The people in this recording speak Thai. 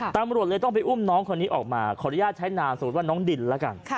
ตำรวจเลยต้องไปอุ้มน้องคนนี้ออกมาขออนุญาตใช้นามสมมุติว่าน้องดินแล้วกัน